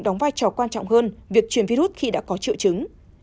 đóng vai trò quan trọng hơn việc truyền virus khi đã có triệu chứng